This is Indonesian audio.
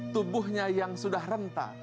tubuhnya yang sudah rentah